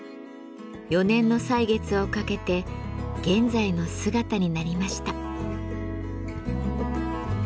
４年の歳月をかけて現在の姿になりました。